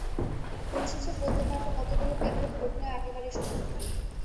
দিন শেষে বলতে পারব কতগুলো কেন্দ্রে ভোট নেওয়া একেবারেই সম্ভব হয়নি।